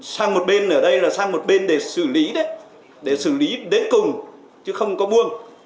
sang một bên ở đây là sang một bên để xử lý đấy để xử lý đến cùng chứ không có buông